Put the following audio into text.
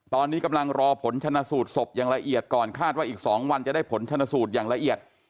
ตอนนี้กำลังรอผลชนะสูตรศพอย่างละเอียดก่อนคาดว่าอีก๒วันจะได้ผลชนสูตรอย่างละเอียด